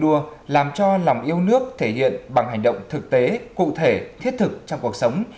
đua làm cho lòng yêu nước thể hiện bằng hành động thực tế cụ thể thiết thực trong cuộc sống